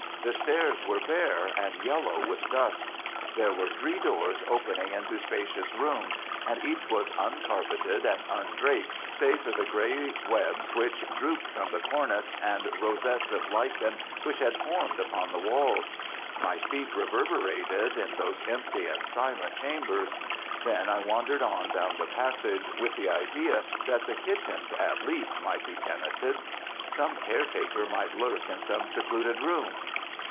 The stairs were bare, and yellow with dust. There were three doors opening into spacious rooms, and each was uncarpeted and undraped, save for the grey webs which drooped from the cornice, and rosettes of lichen which had formed upon the walls. My feet reverberated in those empty and silent chambers. Then I wandered on down the passage, with the idea that the kitchens, at least, might be tenanted. Some caretaker might lurk in some secluded room.